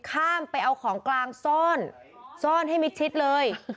ข้ามไปเอาของกลางซ่อนซ่อนให้มิดชิดเลย